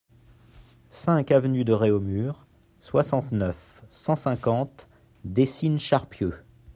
cinq avenue de Réaumur, soixante-neuf, cent cinquante, Décines-Charpieu